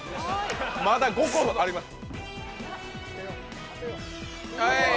まだ５個あります。